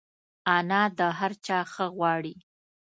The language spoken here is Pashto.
انا د هر چا ښه غواړي